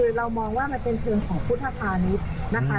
คือเรามองว่ามันเป็นเชิงของพุทธภานิษฐ์นะคะ